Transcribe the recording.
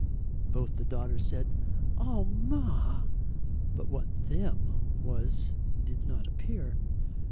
Both the daughters said "Oh, Ma!" but what "them" was did not appear.